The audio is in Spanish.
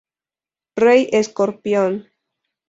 Rey Escorpión.